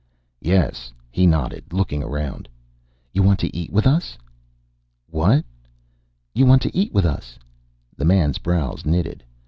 "Yes." He nodded, looking around. "You want to eat with us?" "What?" "You want to eat with us?" The man's brows knitted.